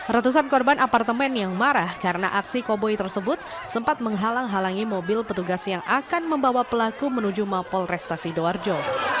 ratusan korban apartemen yang marah karena aksi koboi tersebut sempat menghalang halangi mobil petugas yang akan membawa pelaku menuju mapol resta sidoarjo